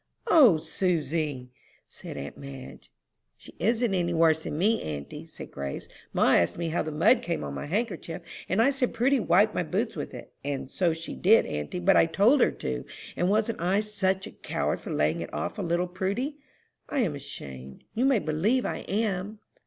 '" "O, Susy!" said aunt Madge. "She isn't any worse than me, auntie," said Grace. "Ma asked me how the mud came on my handkerchief, and I said Prudy wiped my boots with it. And so she did, auntie, but I told her to; and wasn't I such a coward for laying it off on little Prudy? I am ashamed you may believe I am."